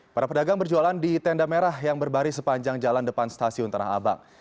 para pedagang berjualan di tenda merah yang berbaris sepanjang jalan depan stasiun tanah abang